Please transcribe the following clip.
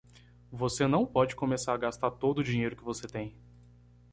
Você não pode começar a gastar todo o dinheiro que você tem.